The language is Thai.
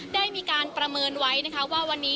ได้มีการประเมินไว้นะคะว่าวันนี้